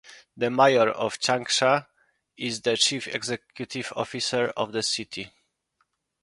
The Mayor of Changsha is the chief executive officer of the city.